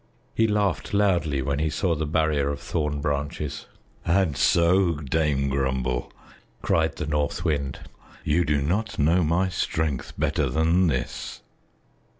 He laughed loudly when he saw the barrier of thorn branches. "And so, Dame Grumble," cried the North Wind, "you do not know my strength better than this!"